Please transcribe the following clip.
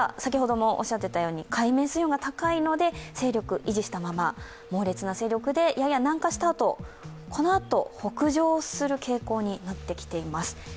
ただ、海面水温が高いので勢力を維持したまま、猛烈な勢力で、やや南下したあと、このあと、北上する傾向になってきています。